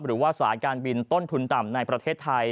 หรือว่าสายการบินต้นทุนต่ำในประเทศไทย